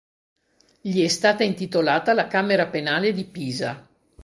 Gli è stata intitolata la Camera Penale di Pisa.